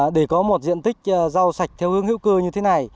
để có một diện tích rau sạch theo hướng hữu cơ như thế này